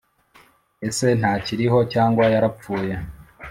ese ntakiriho cyangwa yarapfuye